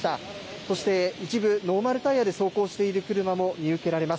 そして一部ノーマルタイヤで走行している車も見受けられます。